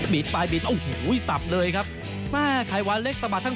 ปลายบีดโอ้โหสับเลยครับแม่ไขวาเล็กสะบัดทั้ง